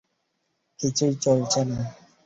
কিছুই চলছে না?